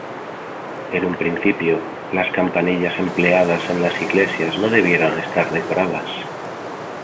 En un principio, las campanillas empleadas en las iglesias no debieron estar decoradas.